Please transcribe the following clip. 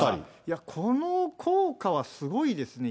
この効果はすごいですね。